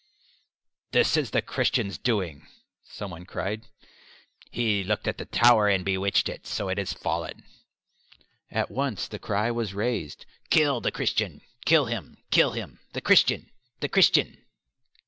"This is the Christian's doing," someone cried. "He looked at the tower and bewitched it, so it has fallen." At once the cry was raised, "Kill the Christian kill him kill him! The Christian! The Christian!"